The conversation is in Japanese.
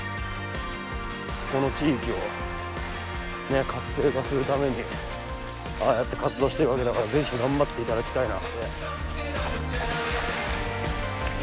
この地域をね活性化するためにああやって活動してるわけだから是非頑張っていただきたいな。